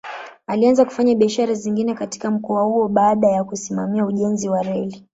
Alianza kufanya biashara zingine katika mkoa huo baada ya kusimamia ujenzi wa reli.